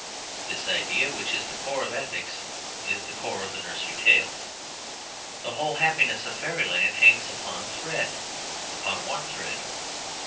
This idea, which is the core of ethics, is the core of the nursery tales. The whole happiness of fairyland hangs upon a thread, upon one thread.